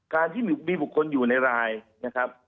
การที่มีบุคคลอยู่ในรายนะครับ